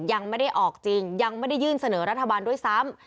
ยังไม่ได้ออกจริงยังไม่ได้ยื่นเสนอรัฐบาลด้วยซ้ำ